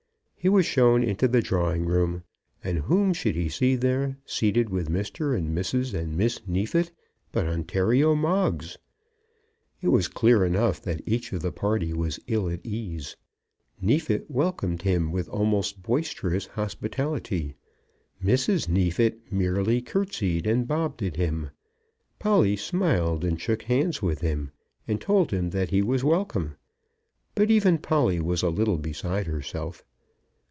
He was shown into the drawing room, and whom should he see there, seated with Mr. and Mrs. and Miss Neefit, but Ontario Moggs. It was clear enough that each of the party was ill at ease. Neefit welcomed him with almost boisterous hospitality. Mrs. Neefit merely curtseyed and bobbed at him. Polly smiled, and shook hands with him, and told him that he was welcome; but even Polly was a little beside herself.